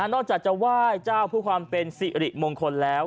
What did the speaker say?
นอกจากจะไหว้เจ้าเพื่อความเป็นสิริมงคลแล้ว